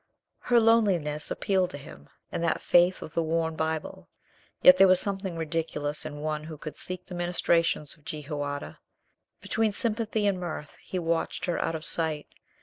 Her loneliness appealed to him, and that faith of the worn Bible, yet there was something ridiculous in one who could seek the ministrations of Jehoiada. Between sympathy and mirth he watched her out of sight.